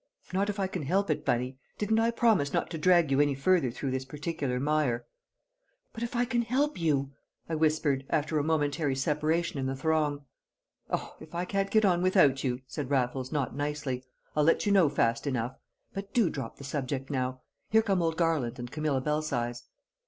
"Not if I can help it, Bunny; didn't I promise not to drag you any further through this particular mire?" "But if I can help you?" I whispered, after a momentary separation in the throng. "Oh! if I can't get on without you," said Raffles, not nicely, "I'll let you know fast enough. But do drop the subject now; here come old Garland and Camilla Belsize!"